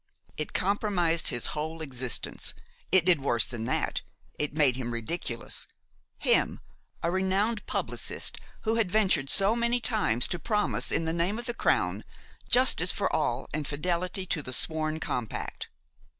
It compromised his whole existence, it did worse than that, it made him ridiculous, him, a renowned publicist who had ventured so many times to promise, in the name of the crown, justice for all and fidelity to the sworn compact.